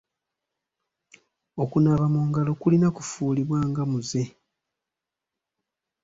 Okunaaba mu ngalo kulina kufuulibwa nga muze.